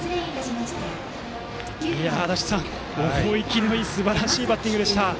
足達さん、思い切りのいいすばらしいバッティングでした。